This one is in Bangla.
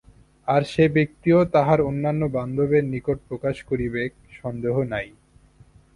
আর সে ব্যক্তিও তাহার অন্যান্য বান্ধবের নিকট প্রকাশ করিবেক সন্দেহ নাই।